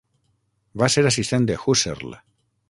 Va ser assistent de Husserl.